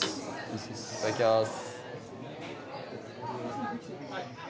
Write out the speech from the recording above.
いただきます。